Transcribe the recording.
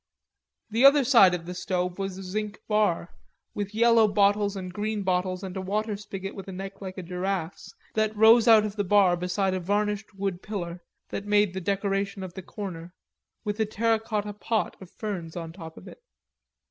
The other side of the stove was a zinc bar with yellow bottles and green bottles and a water spigot with a neck like a giraffe's that rose out of the bar beside a varnished wood pillar that made the decoration of the corner, with a terra cotta pot of ferns on top of it.